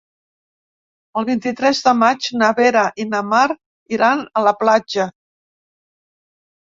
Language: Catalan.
El vint-i-tres de maig na Vera i na Mar iran a la platja.